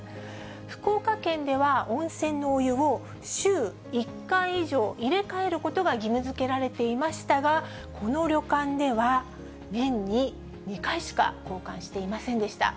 福岡県では、温泉のお湯を、週１回以上、入れ替えることが義務づけられていましたが、この旅館では、年に２回しか交換していませんでした。